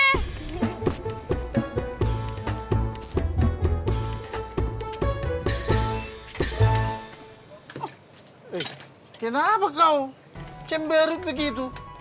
eh kenapa kau cemberut begitu